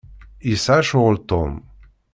Yesɛa ccɣel Tom.